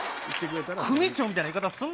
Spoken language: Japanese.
組長みたいな言い方すんな。